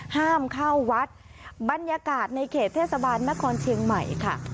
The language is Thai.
ห้ามเข้าวัดบรรยากาศในเขตเทศบาลนครเชียงใหม่ค่ะ